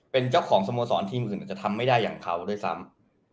เป็นเจ้าของสโมสรทีมอื่นอาจจะทำไม่ได้อย่างเขาด้วยซ้ำ